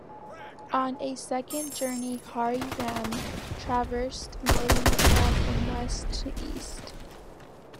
On a second journey, Hari Ram traversed northern Nepal from west to east.